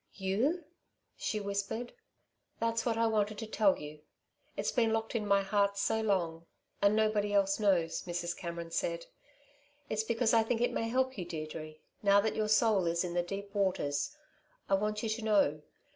"You?" she whispered. "That's what I wanted to tell you ... it's been locked in my heart so long ... and nobody else knows," Mrs. Cameron said. "It's because I think it may help you, Deirdre, now that your soul is in the deep waters, I want you to know